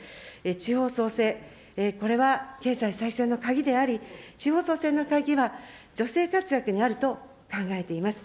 地方創生、これは経済再生の鍵であり、地方創生の鍵は女性活躍にあると考えています。